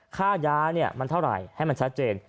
ค่ายามันเท่าไหร่ให้มันชัดเจน